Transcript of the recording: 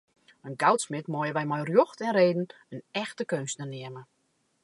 In goudsmid meie wy mei rjocht en reden in echte keunstner neame.